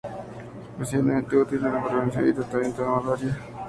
Es especialmente útil en la prevención y tratamiento de la malaria.